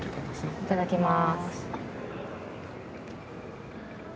いただきます。